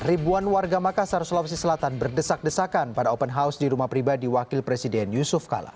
ribuan warga makassar sulawesi selatan berdesak desakan pada open house di rumah pribadi wakil presiden yusuf kala